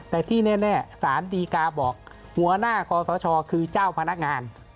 แต่ที่แน่สารดีกาบอกหัวหน้าคอสชคือเจ้าพนักงาน